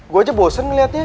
gue aja bosen ngeliatnya